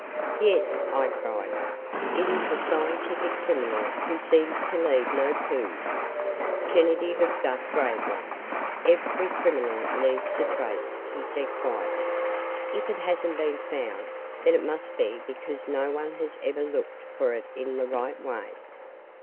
"Yes," I cried. "It is a scientific criminal who seems to leave no clues." Kennedy looked up gravely. "Every criminal leaves a trace," he said quietly. "If it hasn't been found, then it must be because no one has ever looked for it in the right way."